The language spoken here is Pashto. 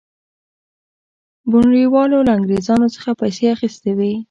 بونیروالو له انګرېزانو څخه پیسې اخیستې وې.